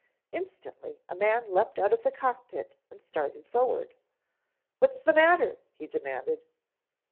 Instantly a man leaped out of the cock pit and started forward. "What's the matter?" he demanded.